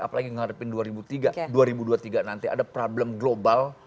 apalagi menghadapi dua ribu dua puluh tiga nanti ada problem global